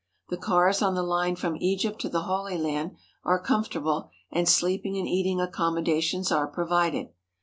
The cars on the line from Egypt to the Holy Land are comfortable, and sleeping and eating accommodations are provided.